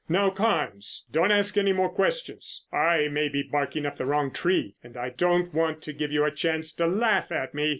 Now Carnes, don't ask any more questions. I may be barking up the wrong tree and I don't want to give you a chance to laugh at me.